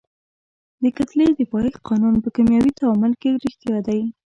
د کتلې د پایښت قانون په کیمیاوي تعامل کې ریښتیا دی.